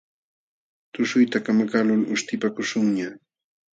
Tushuyta kamakaqlul uśhtipakuśhunñaq.